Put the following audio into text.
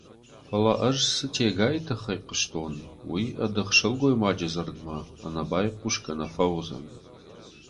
Фӕлӕ ӕз цы Тегайы тыххӕй хъуыстон, уый ӕдых сылгоймаджы дзырдмӕ ӕнӕ байхъусгӕ нӕ фӕуыдзӕн.